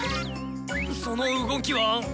その動きは。